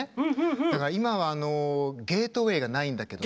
だから今はあのゲートウェイがないんだけど。